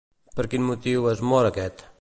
Per quin motiu es mor aquest?